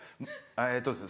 えっとですね